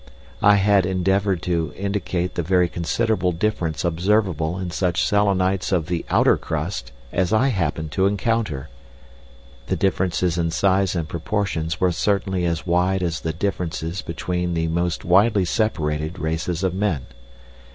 I had endeavoured to indicate the very considerable difference observable in such Selenites of the outer crust as I happened to encounter; the differences in size and proportions were certainly as wide as the differences between the most widely separated races of men.